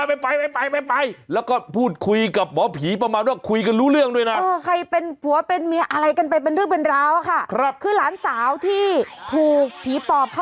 นี่แหละเพราะว่าอะไรรู้มั้ยเรารอกันอยู่ภาคใหญ่จะออกไม่ออกจะออกไม่ออก